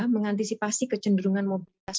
mengantisipasi kecenderungan mobilitas